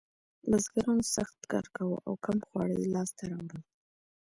بزګرانو سخت کار کاوه او کم خواړه یې لاسته راوړل.